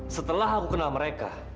setelah aku kenal mereka